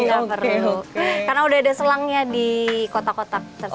nggak perlu karena udah ada selangnya di kotak kotak